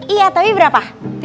iya tapi berapa